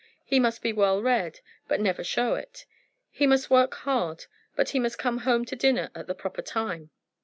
He must be well read, but never show it. He must work hard, but he must come home to dinner at the proper time."